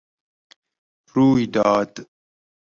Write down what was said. روی داد